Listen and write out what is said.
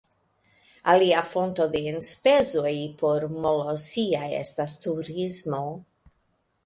Alia fonto de enspezoj por Molossia estas turismo.